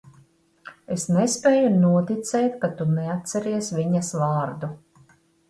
Es nespēju noticēt, ka tu neatceries viņas vārdu.